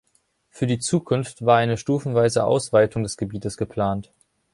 Für die Zukunft war eine stufenweise Ausweitung des Gebietes geplant.